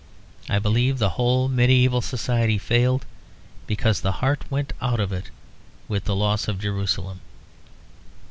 I believe the whole medieval society failed, because the heart went out of it with the loss of Jerusalem.